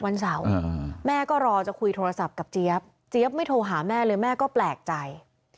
วันเสาร์แม่ก็รอจะคุยโทรศัพท์กับเจี๊ยบเจี๊ยบไม่โทรหาแม่เลยแม่ก็แปลกใจ